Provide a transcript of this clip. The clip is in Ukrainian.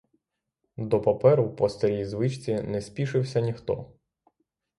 До паперу, по старій звичці, не спішився ніхто.